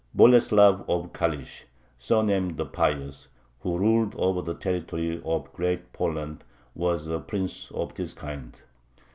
Boleslav of Kalish, surnamed the Pious, who ruled over the territory of Great Poland, was a prince of this kind.